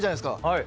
はい。